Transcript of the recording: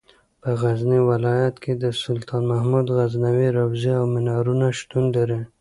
په غزني ولایت کې د سلطان محمود غزنوي روضه او منارونه شتون لري.